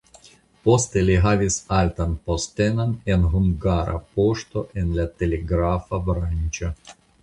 Poste li havis altan postenon en Hungara Poŝto en la telegrafa branĉo.